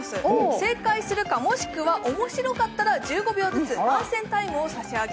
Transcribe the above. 正解するか、もしくは面白かったら１５秒ずつ番宣タイムを差し上げ